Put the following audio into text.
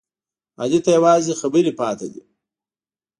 علي ته یوازې خبرې پاتې دي.